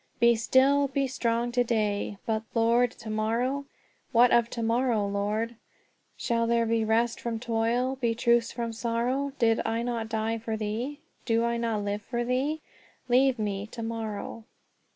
"'Be still; be strong to day.' But, Lord, to morrow? What of to morrow, Lord? Shall there be rest from toil, Be truce from sorrow? 'Did I not die for thee? Do I not live for thee? Leave me to morrow.'"